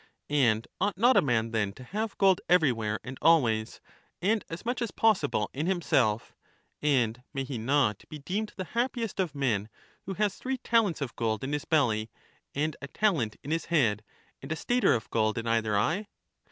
And ought not a man then to have gold everywhere and always, and as much as possible in himself, and may he not be deemed the happiest of men who has three talents of gold in his belly, and a talent in his head, and a stater of gold in either eye